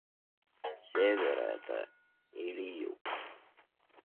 Север это или Юг?